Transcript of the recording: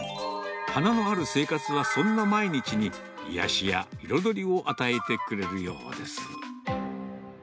花のある生活はそんな毎日に、癒やしや彩りを与えてくれるようです。